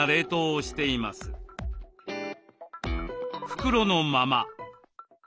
袋のまま。